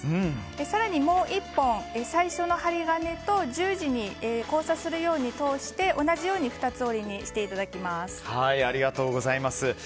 更にもう１本、最初の針金と十字に交差するように通して同じようにありがとうございます。